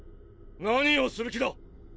何をする気だ